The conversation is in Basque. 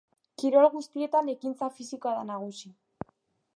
Kirol guztietan ekintza fisikoa da nagusi.